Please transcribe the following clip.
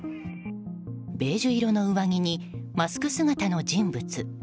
ベージュ色の上着にマスク姿の人物。